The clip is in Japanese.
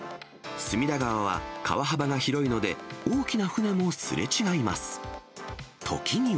隅田川は川幅が広いので、大きな船もすれ違います。